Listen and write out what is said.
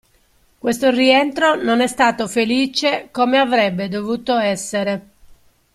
Questo rientro non è stato felice come avrebbe dovuto essere.